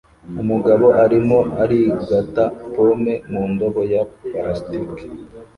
Umugabo arimo arigata pome mu ndobo ya plastiki